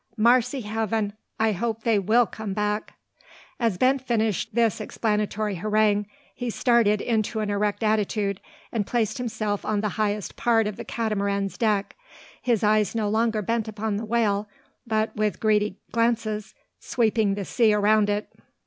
Marcy heaven! I hope they will come back." As Ben finished this explanatory harangue, he started into an erect attitude, and placed himself on the highest part of the Catamaran's deck, his eyes no longer bent upon the whale, but, with greedy glances, sweeping the sea around it.